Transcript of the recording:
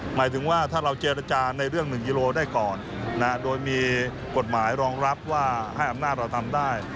หมายถึงว่าถ้าเราเจรจาในเรื่อง๑กิโลได้ก่อนโดยมีกฎหมายรองรับว่าให้อำนาจเราทำได้